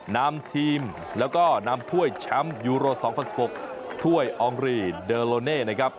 นำทีมแล้วก็นำถ้วยแชมป์ยูโร๒๐๑๖ถ้วยอองรีเดอร์โลเน่นะครับ